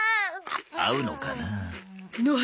合うのかなあ。